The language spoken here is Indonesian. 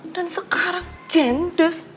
dan sekarang jendes